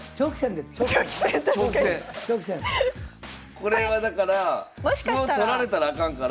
これはだから歩を取られたらあかんから。